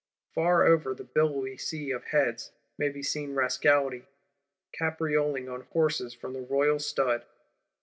Far over the billowy sea of heads, may be seen Rascality, caprioling on horses from the Royal Stud.